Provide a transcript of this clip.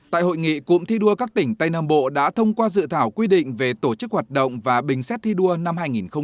tại hội nghị cụm thi đua các tỉnh tây nam bộ đã thông qua dự thảo quy định về tổ chức hoạt động và bình xét thi đua năm hai nghìn một mươi chín